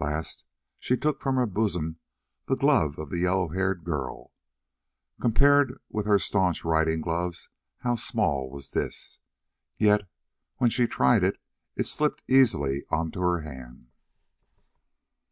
Last, she took from her bosom the glove of the yellow haired girl. Compared with her stanch riding gloves, how small was this! Yet, when she tried it, it slipped easily on her hand.